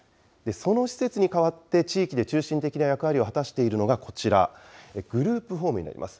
その施設に代わって、地域で中心的な役割を果たしているのがこちら、グループホームになります。